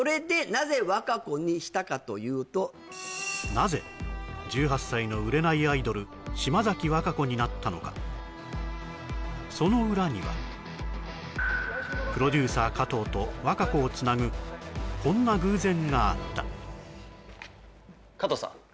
なぜ１８歳の売れないアイドル島崎和歌子になったのかその裏にはプロデューサー加藤と和歌子をつなぐこんな偶然があった加藤さん